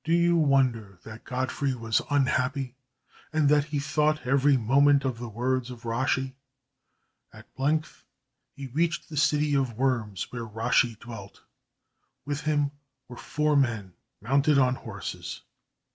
Do you wonder that Godfrey was unhappy, and that he thought every moment of the words of Rashi? At length he reached the city of Worms where Rashi dwelt. With him were four men, mounted on horses.